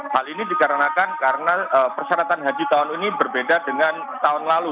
hal ini dikarenakan karena persyaratan haji tahun ini berbeda dengan tahun lalu